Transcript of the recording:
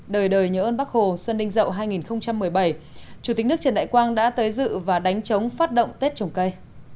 đời đời nhớ ơn bác hồ xuân ninh dậu hai nghìn một mươi bảy chủ tịch nước trần đại quang đã tới dự và đánh chống phát động tết trồng cây